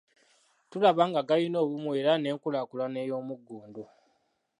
Tulaba nga galina obumu era n’enkulaakulana ey'omuggundu.